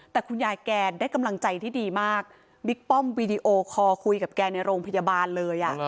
แต่คุณยายแกได้กำลังใจที่ดีมากบิ๊กป้อมวีดีโอคอลคุยกับแกในโรงพยาบาลเลย